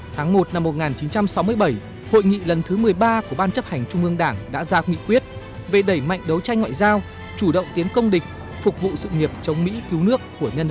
tháng một năm một nghìn chín trăm sáu mươi bảy hội nghị lần thứ một mươi ba của ban chấp hành trung ương đảng đã ra nghị quyết về đẩy mạnh đấu tranh ngoại giao chủ động tiến công địch phục vụ sự nghiệp chống dịch